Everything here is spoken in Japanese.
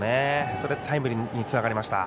それがタイムリーにつながりました。